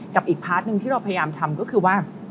กับอีกพาร์ทหนึ่งที่เราพยายามทำก็คือว่า